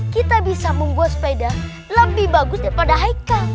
kita bisa membuat sepeda lebih bagus daripada haikal